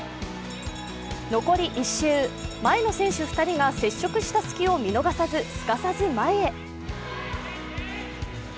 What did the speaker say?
残り１周、前の選手２人が接触した隙を見逃さずすかさず前へ。